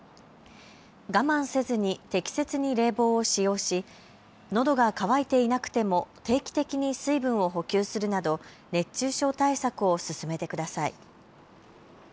我慢せずに適切に冷房を使用しのどが渇いていなくても定期的に水分を補給するなど熱中症対策を進めてください。